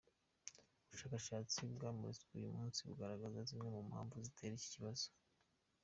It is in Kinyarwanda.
Ubushakashatsi bwamuritswe uyu munsi bugaragaza zimwe mu mpamvu zitera iki kibazo.